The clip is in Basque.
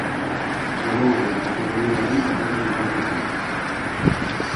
Segovian eta Pasai Donibanen tailerrak izan zituen.